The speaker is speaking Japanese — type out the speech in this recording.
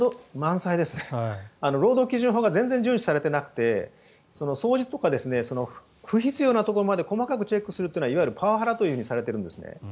労働基準法が全然順守されていなくて掃除とか不必要なところまで細かくチェックするのはいわゆるパワハラとされているんですね。